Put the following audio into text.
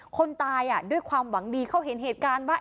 คนตายด้วยความหวังดีเขาเห็นเหตุการณ์ว่า